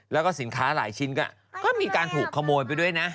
แล้วก็สินค้าหลายชิ้นก็มีการถูกขโมยไปด้วยนะ